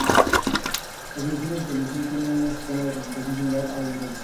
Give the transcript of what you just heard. Las emisiones de televisión tienen un sistema de calificación similar al del cine.